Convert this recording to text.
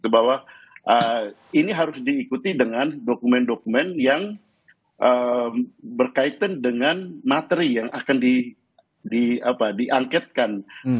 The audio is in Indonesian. bahwa ini harus diikuti dengan dokumen dokumen yang berkaitan dengan materi yang akan diangketkan